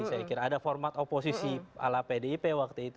saya kira ada format oposisi ala pdip waktu itu